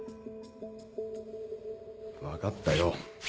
分かったよ。